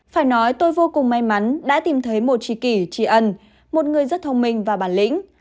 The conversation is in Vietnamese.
phải nói tôi vô cùng may mắn đã tìm thấy một trí kỷ tri ân một người rất thông minh và bản lĩnh